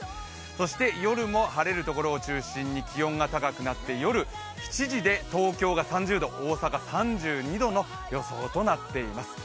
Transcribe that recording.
そして夜も晴れるところを中心に気温が高くなって夜７時で東京が３０度、大阪、３２度の予想となっています。